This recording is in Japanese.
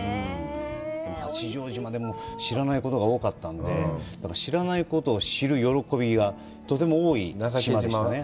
八丈島、でも知らないことが多かったので、知らないことを知る喜びがとても多い島でしたね。